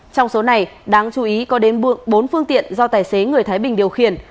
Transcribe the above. trong số này đáng chú ý có đến bốn phương tiện do tài xế người thái bình điều khiển